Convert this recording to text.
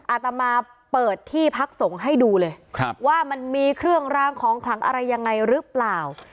อาตมาเปิดที่พักสงฆ์ให้ดูเลยว่ามันมีเครื่องรางของขลังอะไรยังไงหรือเปล่า